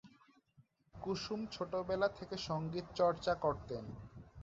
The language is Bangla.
কুসুম ছোটবেলা থেকে সঙ্গীত চর্চা করতেন।